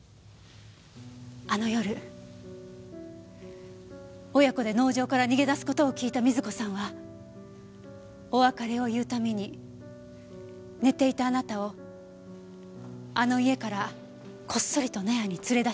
あの夜親子で農場から逃げ出す事を聞いた瑞子さんはお別れを言うために寝ていたあなたをあの家からこっそりと納屋に連れ出したの。